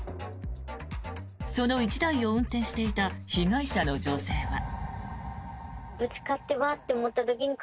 その１台を運転していた被害者の女性は。